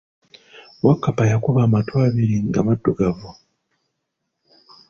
Wakkapa yakuba amattu abiri nga maddugavu.